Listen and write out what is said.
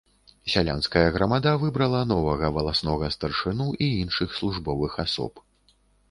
Сялянская грамада выбрала новага валаснога старшыну і іншых службовых асоб.